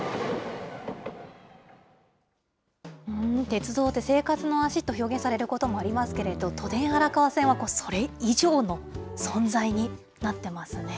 鉄道って生活の足って表現されることもありますけど、都電荒川線はそれ以上の存在になってますね。